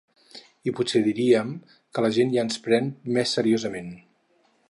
I potser diríem que la gent ja ens pren més seriosament.